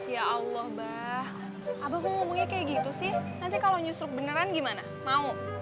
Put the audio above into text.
ya allah mba abang ngomongnya kayak gitu sih nanti kalau nyusruk beneran gimana mau